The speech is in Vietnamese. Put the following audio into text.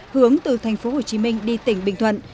hướng từ thành phố hồ chí minh đi tỉnh bình thuận